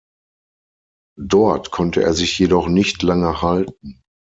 Dort konnte er sich jedoch nicht lange halten.